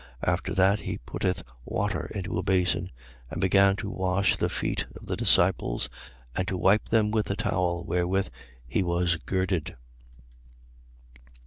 13:5. After that, he putteth water into a basin and began to wash the feet of the disciples and to wipe them with the towel wherewith he was girded.